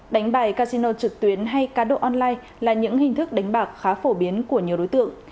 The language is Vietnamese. đánh bài casino trực tuyến hay cá độ online là những hình thức đánh bạc khá phổ biến của nhiều đối tượng